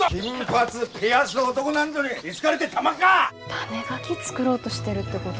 種ガキ作ろうとしてるってごど？